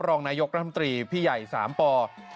รองนายกรัฐมนตรีพี่ใหญ่สามปอร์